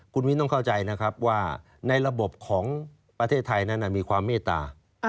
คุณมิ้นต้องเข้าใจนะครับว่าในระบบของประเทศไทยนั้นมีความเมตตา